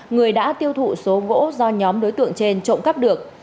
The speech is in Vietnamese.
người đã tiêu thụ số gỗ do nhóm đối tượng trên trộm cắp được